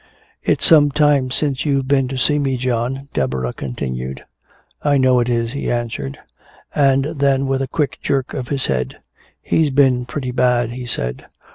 "It's some time since you've been to see me, John," Deborah continued. "I know it is," he answered. And then with a quick jerk of his head, "He's been pretty bad," he said.